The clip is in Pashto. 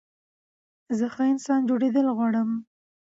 زه ښه انسان جوړېدل غواړم.